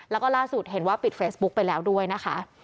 แล้วก็ล่าสุดเห็นว่าปิดเฟซบุ๊กไปแล้วด้วยนะคะ